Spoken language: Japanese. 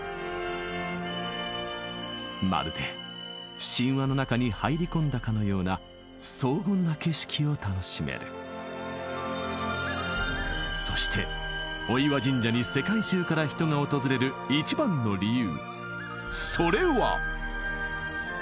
まるで神話の中に入り込んだかのような荘厳な景色を楽しめるそしてそれは御岩神社に世界中から人が訪れる一番の理由